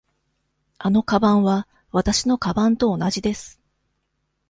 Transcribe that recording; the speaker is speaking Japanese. あのかばんはわたしのかばんと同じです。